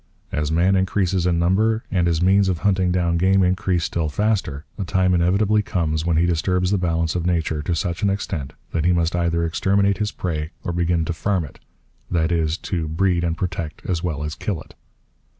As man increases in number, and his means of hunting down game increase still faster, a time inevitably comes when he disturbs the balance of nature to such an extent that he must either exterminate his prey or begin to 'farm' it, that is, begin to breed and protect as well as kill it.